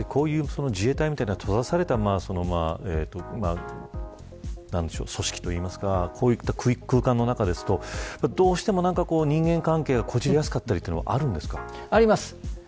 こういう自衛隊みたいな閉ざされた組織といいますかこういった空間の中ですとどうしても人間関係がこじれやすかったりというのはありますか。